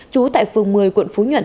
chú tại phường một mươi quận phú nhật